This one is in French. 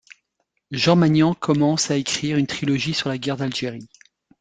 Jean Magnan commence à écrire une trilogie sur la guerre d'Algérie.